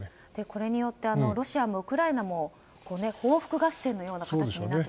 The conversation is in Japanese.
これによってロシアもウクライナも報復合戦のような形になってしまいますね。